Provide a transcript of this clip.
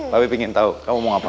papi pingin tau kamu mau apa